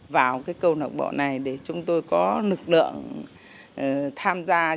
vào cái câu lạc bộ này để chúng tôi có lực lượng tham gia